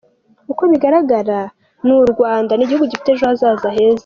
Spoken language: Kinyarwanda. Uko bigararagara ni u Rwanda ni igihugu gifite ejo hazaza heza.